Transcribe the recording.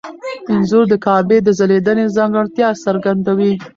انځور د کعبې د ځلېدنې ځانګړتیا څرګندوي.